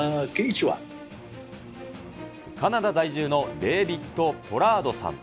カナダ在住のデービッド・ポラードさん。